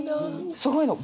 すごいの。